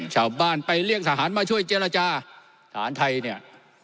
ชาวบ้านไปเรียกทหารมาช่วยเจรจาทหารไทยเนี่ย